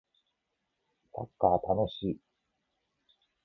サッカー楽しい